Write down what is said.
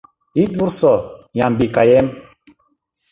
Ит вурсо, Ямбикаэм...